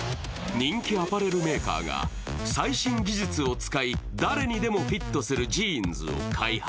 人気アパレルメーカーが最新技術を使い誰にでもフィットするジーンズを開発。